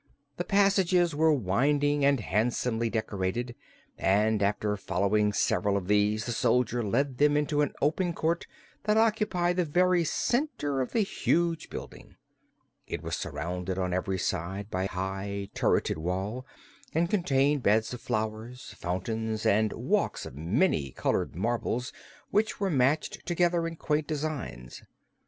The passages were winding and handsomely decorated, and after following several of these the soldier led them into an open court that occupied the very center of the huge building. It was surrounded on every side by high turreted walls, and contained beds of flowers, fountains and walks of many colored marbles which were matched together in quaint designs.